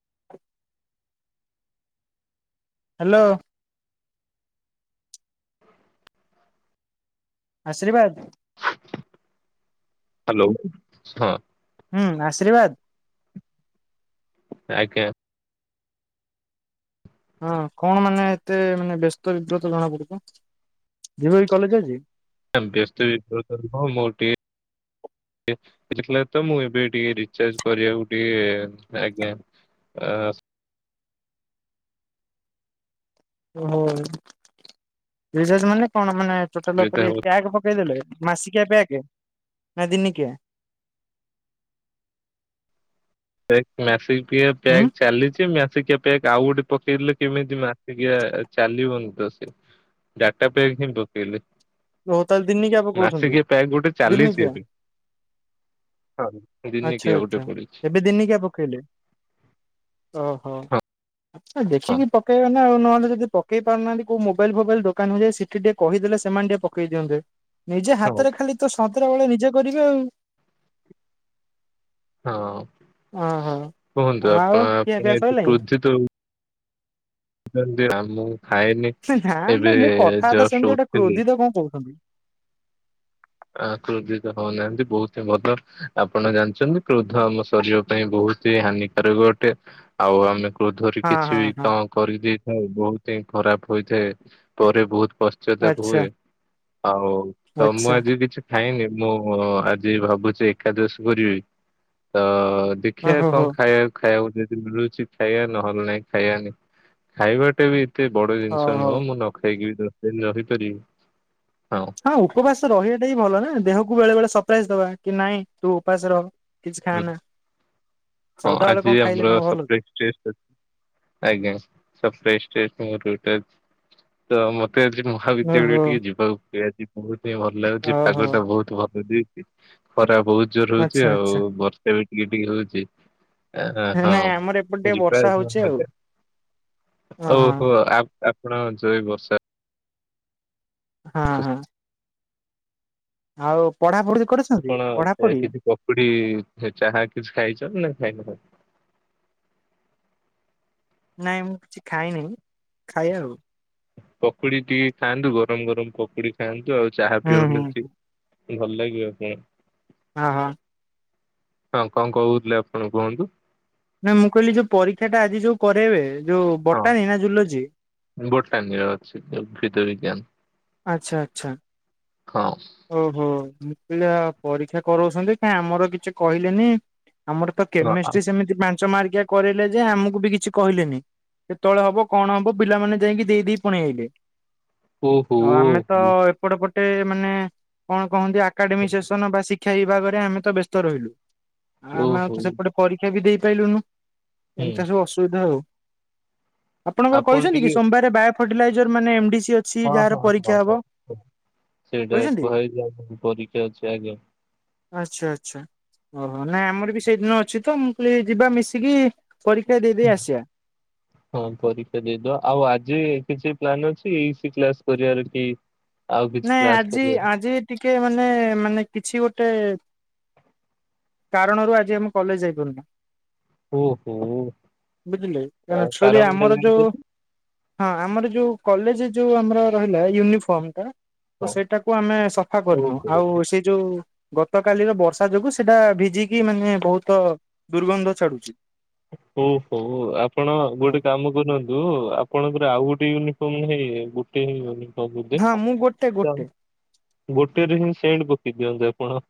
[inaudible] Hello. ଆଶ୍ରୀର୍ବାଦ। Hello ହଁ। ହୁଁ ଆଶ୍ରୀର୍ବାଦ। ଆଜ୍ଞା। ହଁ କଣ ମାନେ ଏତେ ମାନେ ବ୍ୟସ୍ତ ବିବ୍ରତ ଜଣା ପଡ଼ୁଛ? ଦି ଆଜି କଲେଜ ଅଛି? ବ୍ୟସ୍ତ ବିବ୍ରତ ନୁହଁ ମୋର ଟିକେ ତ ମୁଁ ଏବେ ଟିକେ ରିଚାର୍ଜ କରିବାକୁ ଟିକେ ଆଜ୍ଞା। ଆ ଓହୋ ରେଚର୍ଗ ମାନେ କଣ ମାନେ ଟୋଟାଲ ଅସୁବିଧା ଉପରେ ହଉ ଟ୍ୟାଗ ପକେଇ ଦେଲେ। ମାସିକିଆ ବ୍ୟାକ ନା ଦିନିକିଆ? ପେକ ମ୍ୟାଫିକିଆ ହୁଁ ପ୍ୟାକ ଚାଲିଛି ମ୍ୟାଫିକିଆ ପ୍ୟକ୍ ଆଉ ଗୋଟେ ପକେଇଲେ କେମିତି ମାସିକିଆ ଚାଲିବନି ତ ସେ। ଡାଟା ପେକ୍ ପୁଣି ପକେଇଲେ। ଓ ତାହେଲେ ଦିନିକିଆ ପକଉଛନ୍ତି ମାସିକିଆ ପ୍ୟାକ୍ ଗୋଟେ ଚାଲିଛି ଦିନିକିଆ। ଏବେ ହଁ, ଦିନିକିଆ ଆଚ୍ଛା ଗୋଟେ ଆଚ୍ଛା ପଡିଛି ଏବେ ଦିନିକିଆ ପକ ଇଲେ ଓହୋ ହଁ ଆପଣ ହଁ ଦେଖିକି ପକେଇବେ ନା। ନା ଆଉ ନହେଲେ ଯଦି ପକେଇ ପାରୁନାହାନ୍ତି କୋଉ ମୋବାଇଲ ଫୋବାଇଲ ଦୋକାନକୁ ଯାଇ ସେଠି ଟିକେ କହିଦେଲେ ସେମାନେ ଟିକେ ପକେଇ ଦିଅନ୍ତେ। ନିଜେ ହଁ ହାତରେ ଖାଲି ତ ସତରା ବେଳେ ନିଜେ କରିବେ ଆଉ। ହଁ ଓ ହୋ କୁହନ୍ତୁ ଆଉ ଆପଣ ଆପଣ ଖିଆପିଆ ଏତେ ସରିଲାଣି? କ୍ରୋଧିତ ମୁଁ ଖାଏନି ନା ମ ଏବେ ମୁଁ କଥାବାର୍ତ୍ତା ସେମିତି ଜଷ୍ଟ ଗୋଟେ ଉଠିଲି। କ୍ରୋଧିତ କଣ କହୁଛନ୍ତି। ଆ କ୍ରୋଧିତ ହଉନାହାନ୍ତି ବହୁତ ହିଁ ଭଲ ଆପଣ ଜାଣିଛନ୍ତି କ୍ରୋଧ ଆମ ଶରୀର ପାଇଁ ବହୁତ ତି ହାନିକାରକ ଗଟେ ଆଉ ଆମେ କ୍ରୋଧରେ ହଁ କିଛି ହଁ ବି ହଁ କଣ କରିଦେଇଥାଉ ବହୁତ ହିଁ ଖରାପ ହୋଇଥାଏ ପରେ ବହୁତ ପଶ୍ଚାତାପ ଆଚ୍ଛା ହୁଏ ଆଉ ତ ମୁଁ ଆଚ୍ଛା ଆଜି କିଛି ଖାଇନି ମୁଁ ଆଜି ଭାବୁଛି ଏକାଦଶ କରିବି ତ ଦେଖିବା ଓହୋ ହୋ କଣ ଖାଇବା ଖାଇବାକୁ ଯଦି ମିଳୁଛି ଖାଇବା ନହେଲେ ନାଇଁ ଖାଇବାନି ଖାଇବାଟା ବି ଏତେ ବଡ ହଉ ଜିନିଷ ହଉ। ନୁହଁ ମୁଁ ନ ଖାଇକି ବି ଦଶଦିନ ରହିପାରିବି। ହଁ ଉପବାସ ରହିବାଟା ହି ଭଲ ନା ଦେହକୁ ବେଳେ ବେଳେ ସରପ୍ରାଇଜ ଦବା କି ନାଇଁ ତୁ ଉପାସ ରହ। କିଛି ଖା ନା। ହଁ ଆଜି ଆମର ସପ୍ରାଇଜ ଡେ। ଆଜ୍ଞା ସରପ୍ରାଇଜ ଡେ। [unintelligible] ତ ମତେ ଆଜି ମହାବିଦ୍ୟାଳୟ ବି ଓହୋ ଟିକେ ଯିବାକୁ ହୁଏ ଆଜି ବହୁତ ଟିକେ ଭଲ ଲାଗୁଛି ପାଗ ଓହୋ। ଟା ବହୁତ ଭଲ ଦେଇଛି ଖରା ବହୁତ ଜୋର ହଉଛି ଆଚ୍ଛା ଆଉ। ଆଚ୍ଛା ଏବେ ଟିକେ ଟିକେ ହଉଛି। ନାଇଁ ଆମର ଏପଟେ ଟିକେ ବର୍ଷା ହଉଛି ଆଉ ହଁ ହଁ [unintelligible] ଆପଣ ଯ ବର୍ଷା। ହଁ ଖୁସି ହଁ। ଆଉ ପଢାପଢି? କରିଛନ୍ତି ଆପଣ ପଢାପଢି କିଛି ପକୁଡି ଚାହା କିଛି ଖାଇଛନ୍ତି ନା ଖାଇନ? ନାଇଁ ମୁଁ କିଛି ଖାଇନହିଁ ଖାଇଏ ଆଉ। ପକୁଡି ଟିକେ ଖାଆନ୍ତୁ ଗରମ ଗରମ ପକୁଡି ଖାଆନ୍ତୁ ଆଉ ଚାହା ହୁଁ ହୁଁ ପିଉନ ଚି। ଭଲ ଲାଗିବ କଣ? ହଁ ହଁ। ହଁ କଣ କହୁଥିଲେ ଆପଣ କୁହନ୍ତୁ? ନା ମୁଁ କହିଲି ଯୋଉ ପରୀକ୍ଷା ଟା ଆଜି ଯୋଉ କରେଇବେ। ଯୋଉ ହଁ ବଟାନୀ ନା ଜୁଲୋଜି? ଗୋଟାଟା ଅଛି ଉଦ୍ଭିଦ ବିଜ୍ଞାନ। ଆଚ୍ଛା ଆଚ୍ଛା ହଁ ଓ ହୋ। ପିଲା ପରୀକ୍ଷା କରାଉଛନ୍ତି କାଇଁ ଆମର କିଛି କହିଲେନି। ଆମର ତ ହଁ ଆ କେମିଷ୍ଟ୍ରି ସେମିତି ପାଞ୍ଚ ମାର୍କିଆ କରିଲେ ଯେ ଆମକୁ ବି କିଛି କହିଲେନି। କେତେବେଳେ ହବ କଣ ହବ ପିଲାମାନେ ଯାଇକି ଦେଇ ଦେଇ ପୁଣି ପଳାଇ ଆଇଲେ। ଓହୋ ଓ ଆମେ ତ ଏପଟେ ପଟେ ପଟେ ମାନେ କଣ କହନ୍ତି ଆକାଡେମିକ ସେସନ ବା ଶିକ୍ଷା ବିଭାଗରେ ଆମେ ତ ବ୍ୟସ୍ତ ରହିଲୁ। ଆଉ ଆମେ ଆଉ ଓହୋ ତ ସେପଟେ ପରୀକ୍ଷା ବି ଦେଇପାରଲୁନୁ ହୁଁ ଏମିତି ସବୁ ଅସୁବିଧା ଆଉ। ଆପଣଙ୍କର ଆପଣ କହିଛନ୍ତି କି ଟିକେ ସୋମବାରେ ବାୟୋ ଫର୍ଟିଲାଇଜର ମାନେ ଏମଡିସି ଅଛି ଯାହାର ହ ପରୀକ୍ଷା ହବ ହ ସେଇଟା କହିଛନ୍ତି? କୁହାଯାଏ ପରୀକ୍ଷା ଅଛି ଆଜ୍ଞା। ଆଚ୍ଛା ଆଚ୍ଛା ଓହୋ ନାଇଁ ଆମର ବି ସେଇଦିନ ଅଛି ତ ମୁଁ କହିଲି ଯିବା ମିଶିକି। ପରୀକ୍ଷା ଦେଇଦେଇ ଆସିବା ହଁ ପରୀକ୍ଷା ଦେଇଦବା ଆଉ ଆଜି କିଛି ପ୍ଲାନ ଅଛି ଏଇସି କ୍ଲାସ କରିବାର କି? ଆଉ କିଛି ନାଇଁ କ୍ଲାସ୍ ଆଜି କରିବାର ଆଜି ଟିକେ ମାନେ ମାନେ କିଛି ଗୋଟେ କାରଣରୁ ଆଜି ଆମେ କଲେଜ ଯାଇପାରୁନୁ। ଓହୋ ବୁଝିଲେ କାରଣ ଛୁଳି ଟା ଆମର ଜାଣିଛନ୍ତି ଯୋଉ ହଁ ଆମର ଯୋଉ କଲେଜ ଯୋଉ ଆମର ରହିଲା ୟୁନିଫର୍ମ ଟା। ତ ହଁ। ସେଇଟାକୁ ଆମେ ସଫା କରିନୁ ଓହୋ ଆଉ ସେ ଯୋଉ ଗତକାଲିର ବର୍ଷା ଯୋଗୁ ସେଟା ଭିଜିକି ମାନେ ବହୁତ ଦୁର୍ଗନ୍ଧ ଛାଡୁଛି। ହଉ ହଉ ଆପଣ ଗୋଟେ କାମ କରନ୍ତୁ ଆପଣଙ୍କର ଆଉ ଗୋଟେ ୟୁନିଫର୍ମ ହେ ଗୋଟେ ହଁ [unintelligible] ମୁଁ ଗୋଟେ ଗୋଟେ ଗୋଟେରେ ହିଁ। ସେଣ୍ଟ ପକେଇ ଦିଅନ୍ତୁ ଆପଣ।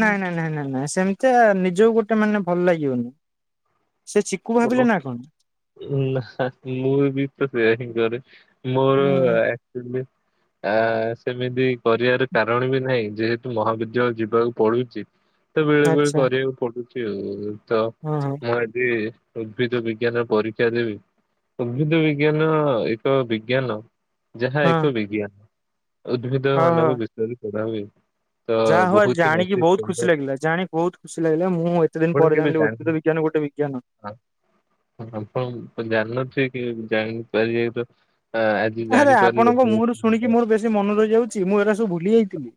ନାଇଁ ନାଇଁ ନାଇଁ ନାଇଁ ନାଇଁ ସେମିତି ନିଜ ଗୋଟେ ମାନେ ଭଲ ଲାଗିବନି। କୁ ଓ ଭାବିଲେ ନା କଣ? ନା ମୁଁ ବି ତ ସେୟା ହିଁ କରେ ମୋର ହୁଁ ଆକଚୁଆଲି ଆ ସେମିତି କରିବାର କାରଣ ବି ନାହିଁ ଯେହେତୁ ମହାବିଦ୍ୟାଳୟ ଯିବାକୁ ପଡୁଛି। ତ ବେଳେ ବେଳେ ଆଚ୍ଛା କରିବାକୁ ପଡୁଛି ଆଉ ତ ହଁ ହଁ ମୁଁ ଆଜି ଉଦ୍ଭିଦ ବିଜ୍ଞାନ ପରୀକ୍ଷା ଦେବି ଉଦ୍ଭିଦ ବିଜ୍ଞାନ ଏକ ବିଜ୍ଞାନ ଯାହା ହଁ ଏକ ବିଜ୍ଞାନ ଉଦ୍ଭିଦ ହଉ ହଉ। ମାନଙ୍କୁ ବିଷୟରେ ପଢ଼ା ହୁଏ। ତ ଯାହା ହଉ ଆଜି ବହୁତ ହିଁ ଜାଣିକି ଅତି ବହୁତ ସୁନ୍ଦର ଖୁସି ଲାଗିଲା ବହୁତ ଖୁସି ଲାଗିଲା ମୁଁ ଏତେ ଦିନ ଆପଣ ପରେ କେବେ ଜାଣିଲି ଜାଣି ଉଦ୍ଭିୁଦ ବିଜ୍ଞାନ ଗୋଟେ ଗୋଟେ ବିଜ୍ଞାନ। ଆ- ଆପଣ ଜାଣିନଥିବେ କି ଜାଣିପାରିବେ ତ ଆ, ଆଜି ଆରେ ଜାଣିପାରିଲେ ଆପଣଙ୍କ ବହୁତ ମୁହଁରୁ ଭଲ। ଶୁଣିକି ମୋର ବେଶୀ ମନ ରହିଯାଉଛି। ମୁଁ ଏରା ସବୁ ଭୁଲି ଯାଇଥିଲି।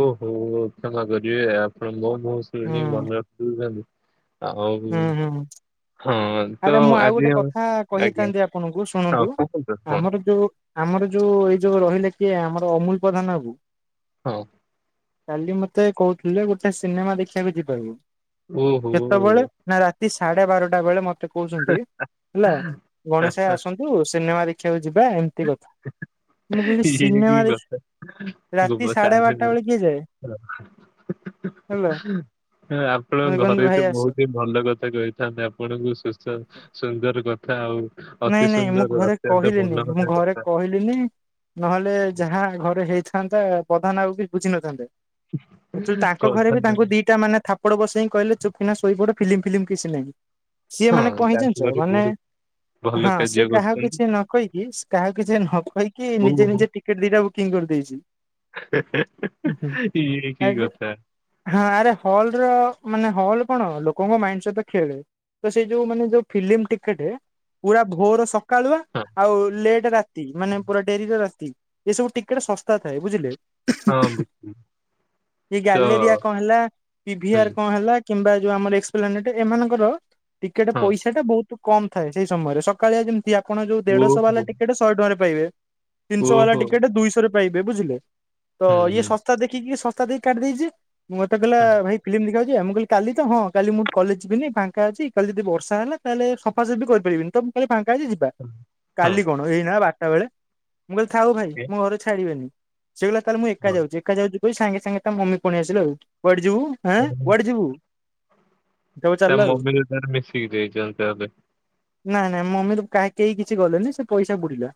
ଓ ହୋ କ୍ଷମା କରିବେ ଆପଣ ମୋ ମୁହ ହୁଁ ଶୁଣି ମନେ ରଖି ହୁଁ ଆଉ-ଉ-ଉ-ଉ ହୁଁ ଆରେ ମୁଁ ଆଉ ଗୋଟେ କଥା ଆଜ୍ଞା କହିଥାନ୍ତି ଆପଣଙ୍କୁ ହଁ ଶୁଣନ୍ତୁ, କୁହନ୍ତୁ କଣ ଆମର ଯୋଉ ଆମର ଯୋଉ ଏଇ ଯୋଉ ରହିଲେ କିଏ ଆମର ଅମୁଲ ପ୍ରଧାନବାବୁ ହଁ, କାଲି ମତେ କହୁଥିଲେ ଗୋଟେ ସିନେମା ଦେଖିବାକୁ ଯିବା ବୋଲି। ଓ ହୋ, ରାତି ସାଢ଼େ ବାରଟା ବେଳେ ମତେ କହୁଛନ୍ତି ହେଲା ଗଣେଶ ଭାଇ ଆସନ୍ତୁ ସିନେମା ଦେଖିବାକୁ ଯିବା ଏମିତି କଥା। ହି ମୁଁ କହିଲି ହି ଇଏ କି ସିନେମା ଦେଖି କଥା। ଗବ ରାତି ସାଢେ ସାର୍ [inaudible] ହି ବାରଟା ବେଳେ କିଏ ଯାଏ ହେଲା ହି ମତେ ଆପଣଙ୍କ କହନ୍ତି ଘରେ ଭାଇ ତ ଆସ ବହୁତ ହିଁ ଭଲ ଭଲ କଥା କହିଥାନ୍ତେ ଆପଣଙ୍କୁ ସୁସ୍ଥ ସୁନ୍ଦର କଥା ଆଉ ଅତି ନାଇଁ ନାଇଁ ମୁଁ ସୁନ୍ଦର ଘରେ ଅତ୍ୟନ୍ତ କହିଲିିନି। ମନୋହର ମୁଁ ଘରେ କଥା। କହିଲିନି, ନହେଲେ ଯାହା ଘରେ ହେଇ ଥାଆନ୍ତା ପ୍ରଧାନ ବାବୁ ବି ବୁଝି ନଥାନ୍ତେୁ। ଆକଚୁଲି ତାଙ୍କ ଘରେ ବି ପ୍ରଧାନ ତାଙ୍କୁ ଦିଇଟା ମାନେ ଥା ପଡ଼ ବସେଇକି କହିଲେ ଚୁପକିନା ଶୋଇପଡେ। ଫିଲମ ଫଲିମ କିଛି ନାହିଁ। ସିଏ ମାନେ ହଁ କଣ ହେଇଚି ଚାଷ ଜାଣିଚ କରି ମାନେ ବହୁତ ଭଲ ହଁ କାର୍ଯ୍ୟ ସିଏ କାହାକୁ କରୁଛନ୍ତି କିଛି ନ କହିକି କାହାକୁ କିଛି ନ କହିକି ନିଜେ ଓହୋ। ନିଜେ ଟିକେଟ ଦିଟା ବୁକିଂ କରିଦେ ଦେଇଛନ୍ତି, ହୁଁ ହୁଁ, ଇଏ ଆ କି କଥା ହ ଆରେ ହଲ ର ମାନେ ହ ହଲ୍ କଣ ଲୋକଙ୍କ ମାଇଣ୍ଡ ସହିତ ଖେଳେ। ତ ସେ ଯୋଉ ମାନେ ଯୋଉ ଫଲିମ୍ ଟିକେଟେ ପୁରା ଭୋର ସକାଳୁଆ, ହଁ ଆଉ ଲେଟ୍ ରାତି ମାନେ ପୁରା ଡେରି ର ରାତି ଏ ସବୁ ଟିକେଟ ଶସ୍ତା ଥାଏ ବୁଝିଲେ। ହଁ ବୁଝିଲି ସେ ତ ଗ୍ୟାଲେରିଆ କଣ ହେଲା, ହୁଁ ପିଭିଆର କଣ ହେଲା କିମ୍ବା ଯୋଉ ଆମର ଏସ୍ପାନେଟ ଏମାନଙ୍କର ଟିକେଟ ହଁ ପଇସା ଟା ବହୁତ କମ ଥାଏ। ସେଇ ସମୟରେ ସକାଳେଆ ଯେମିତି ଆପଣ ଯୋଉ ଦେଢଶହ ବାଲା ଓହୋ ଟିକେଟ ଶହେ ଟଙ୍କାରେ ପାଇବେ। ତିନିଶହ ବାଲା ଓହୋ ଟିକେଟ ଦୁଇଶହରେ ପାଇବେ, ବୁଝିଲେ। ତ ହୁଁ ଇଏ ହୁଁ ଶସ୍ତା ଦେଖିକି ସ ଛତା ଦେଇ କାଢିଦେଇଚି ମତେ ହୁଁ କହିଲା-ଆ-ଆ ଭାଇ ଫିଲ୍ମ ଦେଖିବାକୁ କିଏ ମୁଁ କହ କାଲି ତ ହଁ କାଲି ମୁଁ କଲେଜ ଯିବିନି ଫାଙ୍କା ଅଛି କାଲି ଯଦି ବର୍ଷା ହେଲା ତାହେଲେ ସଫା ସଫି କରି [unintelligible] ତ କାଲି ଫାଙ୍କା ଅଛି। ଯିବା ହୁଁ ହଁ କାଲି କଣ ଏଇନା ବାରଟା ବେଳେ। ମୁଁ କହିଲି ଥାଉ ଭାଇ ଏ ମୁଁ ଘରେ ଛାଡ଼ିବେନି। ସେ କହିଲା ତା ବୋଲି ମୁଁ ଏକା ହଁ ଯାଉଛି। ଏକା ଯାଉଛି କହି ସାଙ୍ଗେ ସାଙ୍ଗେ ତା ମମି ପଳେଇ ଆସିଲେ ଆଉ। କୁଆଡେ ଯିବୁ ହେ ଓହୋ। କୁଆଡେ ଯିବୁ? ତାପରେ ତା ଚାଲିଲା ଆଉ ମମିର ତାର ମିଶିକି ଯାଇଛନ୍ତି ତାହେଲେ। ନାଇଁ ନାଇ ମମି ର କାଇ କେହି କିଛି ଗଲେନି ସେ ପଇସା ବୁଡିଲା।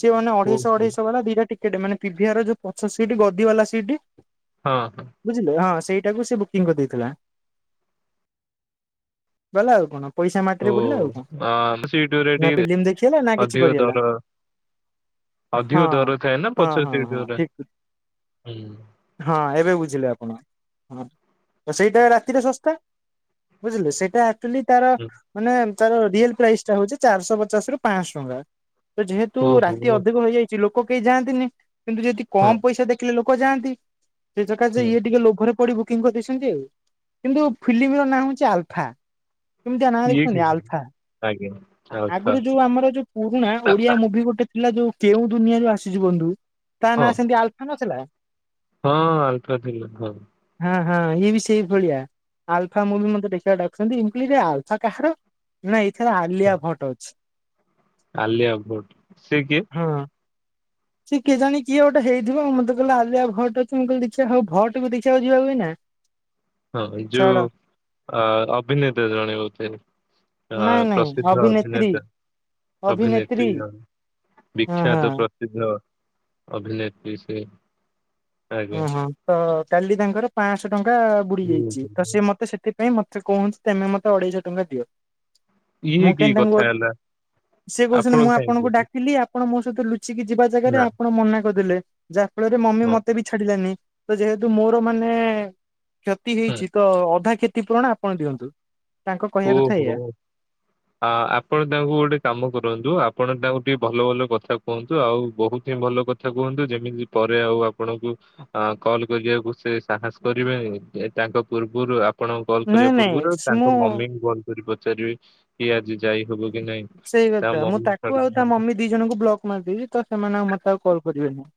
ସିଏ ମାନେ ଓହୋ ଅଢେଇଶହ ଅଢେଇଶହ ବାଲା ଦିଟା ଟିକେଟ ମାନେ ପିଭିଆର ଯୋଉ ପଛ ସିଟ୍ ଗଦି ବାଲା ସିଟି ହଁ ହଁ ବୁଝିଲେ ହଁ ସେଇଟାକୁ ସେ ବୁକିଙ୍ଗ କରିଦେଇଥିଲା। ଗଲା ଆଉ କଣ। ପଇସା ଓ ମାଟିରେ ବୁଡିଲା ଆଉ କଣ। ଆ ସିଟ ଗୁରା ନା ଟିକେ ଫିଲ୍ମ ଦେଖି ହେଲା ନା କିଛି ଅଧିକ କରିହେଲା। ଦର ଅଧିକ ହଁ ଦର ଥାଏ ନା ହଁ ପଛ ହଁ ସିଟ ହଁ ଗୁରା ଠିକ। ହୁଁ ହଁ ଏବେ ବୁଝିଲେ ଆପଣ। ହ ସେଇଟା ରାତିରେ ଶସ୍ତା। ବୁଝିଲେ ସେଟା ଆକ୍ଚୁଲି ତାର ହୁଁ ମାନେ ତାର ରିଏଲ ପ୍ରାଇସ୍ ଟା ହଉଛି ଚାରିଶହ ପଚାଶ ରୁ ପାଆଶହ ଟଙ୍କା। ତ ଯେହେତୁ ରାତି ଓହୋ ଅଧିକ ହେଇଯାଇଛି ଲୋକ କେହି ଯାଆନ୍ତିନି। କିନ୍ତୁ ଯଦି ହଁ କମ ପଇସା ଦେଖିଲୋକ୍ ଲୋକ ଯାଆନ୍ତି। ସେ ସକାଶେ ହୁଁ ଇଏ ଟିକେ ଲୋଭରେ ପଡି ବୁକିଂ କରିଦେଇଛନ୍ତି ଆଉ, କିନ୍ତୁ ଫିଲ୍ମର ନାଁ ହଉଛି ଆଲଫା। କେମିତିକା ନା ଇଏ କି ଲେଖନ୍ତି ଆଲଫା। ଆଜ୍ଞା ଆଲଫା ଆଗରୁ ଯୋଉ ଆମର ଯୋଉ ପୁରୁଣା ଓଡିଆ ମୁଭି ଗୋଟେ ଥିଲା ଯୋଉ କେଉଁ ଦୁନିଆରୁ ଆସିଚୁ ବନ୍ଧୁ। ତା ନାଁ ହଁ ସେମିତି ଆଲଫା ନଥିଲା? ହଁ ଆଲଫା ଥିଲା ହଁ। ହାଁ ହାଁ। ଇଏ ବି ସେଇ ଭଳିଆ। ଆଲଫା ମୁଁ ବି ମତେ ଦେଖିବାକୁ ଡାକୁଛନ୍ତି। ମୁଁ କହିଲି ଆଲଫା କାହାର? ନାଁ ଏଇଥର ହଁ। ଆଲିଆ ଭଟ୍ ଅଛି। ଆଲିଆ ଭଟ୍ ସେ କିଏ? ସିଏ କେ ଜାଣି କିଏ ଗୋଟେ ହେଇଥିବ। ମତେ କହିଲେ ଆଲିଆ ଭଟ୍ ଅଛି ମୁଁ କହିଲି ଦେଖିବା ହଉ ଭଟ୍ କୁ ଦେଖିବାକୁ ଯିବା ଏନା। [inaudible] ହଁ ଯୋଉ ଅ-ଅଭିନେତା ଜଣେ? ଆ ନାଇଁ ନାଇଁ ପ୍ରସିଦ୍ଧ ଅଭିନେତ୍ରୀ ଅଭିନେତା। ଅଭିନେତ୍ରୀ, ହଁ ହଁ ବିଖ୍ୟାତ ପ୍ରସିଦ୍ଧ। ଅ-ଅଭିନେତ୍ରୀ ସେ। ଆଜ୍ଞା। ଓହଁ। ତ କାଲି ତାଙ୍କର ପାସଂହ ଟଙ୍କା ବୁଡି ଇଏ ଯାଇଛି। କି ତ ସେ ମତେ ସେତେ ପାଇଁ, ମତେ କହୁଚି ତମେ ମତେ ଅଢେଇଶହ ଟଙ୍କା ଦିଅ। ଇଏ ମୁଁ କି କିନ୍ତୁ ତାଙ୍କୁ କଥା ହେଲା -ସେ କହୁଛନ୍ତି ଆପଣ ମୁଁ ଆପଣଙ୍କୁ କାହିଁକି ଡାକିଲି ଆପଣ ମୋ ତୁ ତୋ ଲୁଚିକି ଯିବା ଜାଗାରେ, ନା ଆପଣ ମନା କରିଦେଲେ ଯାହାଫଳରେ ମମି ହଁ ମତେ ମତେ ବି ଛାଡିଲାନି। ତ ଯେହେତୁ ମୋର ମାନେ କ୍ଷତି ହୁଁ। ହେଇଛି ତ ଅଧା କ୍ଷତି କ୍ଷତି ପୁରଣ ଆପଣ ଦିଅନ୍ତୁ। ତାଙ୍କ କହିବା କଥା ଓହୋ। ଏଇଆ ଆପଣ ତାଙ୍କୁ ଗୋଟେ କାମ କରନ୍ତୁ ଆପଣ ତାଙ୍କୁ ଟିକେ ଭଲ ଭଲ କଥା କୁହନ୍ତୁ। ଆଉ ବହୁତ ହିଁ ଭଲ କଥା କୁହନ୍ତୁ। ଯେମିତି ପରେ ଆଉ ଆପଣଙ୍କୁ ଅ କଲ କରିବାକୁ ସେ ସାହସ କରିବେ, ତାଙ୍କ ପୂର୍ବରୁ ଆପଣ କଲ୍ କରିବା ନାଇଁ ନାଇଁ ପୂର୍ବରୁ, ମୁଁ ତାଙ୍କ ମମିଙ୍କୁ କଲ୍ କରି ପଚାରିବେ କି ଆଜି ଯାଇ ହବ କି ନାଇଁ? ସେଇ ତା କଥା ମୁଁ ମମି ତାକୁ ଠାରୁ- ଆଉ ତା ମମି ଦି ଜଣଙ୍କୁ ବ୍ଲକ ମାରିଦେବି ତ ସେମାନେ ଆଉ ମତେ ଆଉ କଲ୍ କରିବେନି।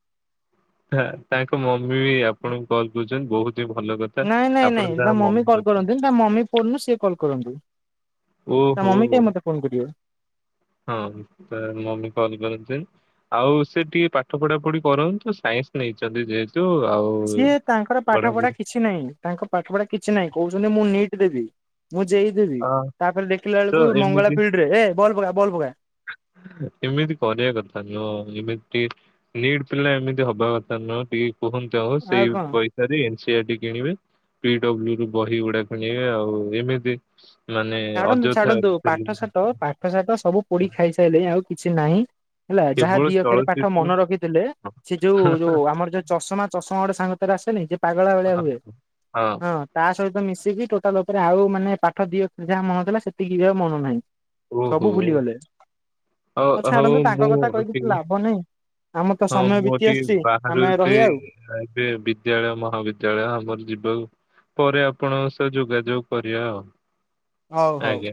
ତା, ତାଙ୍କ ମମି ବି ଆପଣଙ୍କୁ କଲ କରୁଛନ୍ତି ବହୁତ। ଯେ ଭଲ କଥା। ନାଇଁ ନାଇଁ ନାଇଁ ଆପଣ ତା ଯାହା ମମି କଲ୍ କଥା କରନ୍ତିନି ତା ମମି ଫୋନରୁ ସିଏ କଲ୍ କରନ୍ତୁ ତା ଓହୋ ମମି କାଇଁ ମତେ ଫୋନ୍ କରିବେ? ହଁ, ତା ମମି କଲ କରନ୍ତି। ଆଉ ସେ ଟିକେ ପାଠ ପଢା ପଢି କରନ୍ତୁ? ସାଇନ୍ସ ନେଇଛନ୍ତି ଯେହେତୁ। ଆଉ ସିଏ ତାଙ୍କର ପାଠ ପଢା ପଢାପଢି କିଛି ନାହିଁ। ତାଙ୍କ ପାଠ ପଢା କିଛି ନାହିଁ। କହୁଛନ୍ତି ମୁଁ ନିଟ୍ ଦେବି। ମୁଁ ଯେଇ ଦେବି ହଁ ତାପରେ ଦେଖିଲା ତ ବେଳକୁ, ମଙ୍ଗଳା ଏମିତି ଫିଲ୍ଡ ରେ ଏ ବଲ ପକା, ବଲ ପକା। ଏମିତି କରିବା କଥା ନୁହ। ଏମିତି ନିଟ୍ ପିଲା ଏମିତି ହବା କଥା ନ ଟି କୁହନ୍ତୁ ଆଉ ସେଇ ପଇସା ରେ। ସେଆଟି କିଣିବେ। ପିଡବ୍ଲୁ ରୁ ବହି ଗୁଡା କିଣିବେ ଆଉ ଏମିତି। ମାନେ ଛାଡନ୍ତୁ ଛାଡନ୍ତୁ। ପାଠ ଅଯଥା ସାଠ, ପାଠ ସାଠ ସବୁ ପୋଡି ଖାଇସାଇଲେଣି, ଆଉ କିଛି ନାହିଁ। ହେଲା ଯାହା କେବଳ ଦି ଅକ୍ଷରି ପାଠ ଚଳଚ୍ଚିତ୍ର ମନେ ରଖିଥିଲେ, ସେ ଯୋଉ ହଁ ଯୋଉ ଆମର ଯୋଉ ଚଷମା ଚଷ ମୋର ଗୋଟେ ସାଙ୍ଗ ଥିଲା ଆସେନି, ଯେ ପାଗାଳା ଭଳିଆ ହଁ, ହୁଏ? ହଁ ତା ସହିତ ମିଶି ଦିଦି ଟୋଟାଲ ଉପରେ ଆଉ ମାନେ ପାଠ ଦି ଅକ୍ଷରି ଯାହା ମନର ଥିଲା ସେତିକି ବି ଆଉ ମନ ନାହିଁ। ସବୁ ଓହୋ। ଭୁଲିଗଲେ। ହଉ ଆଉ ହଉ ଛାଡନ୍ତୁ ତାଙ୍କ କଥା ମୁଁ କହି କିଛି ଟିକେ ଲାଭ ନାହିଁ। ଆମର ତ ହଁ ସମୟ ମୁଁ ବିତି ବି ଆସୁଛି ଆମେ ବାହାରୁଛି ରହିବା ଆଉ ଏବେ ବିଦ୍ୟାଳୟ ମହାବିଦ୍ୟାଳୟ ଆମର ଯି ବୁ ପରେ ଆପଣଙ୍କ ସହ ଯୋଗାଯୋଗ କରିବା ଆଉ। ହଉ ହଉ। ଆଜ୍ଞା।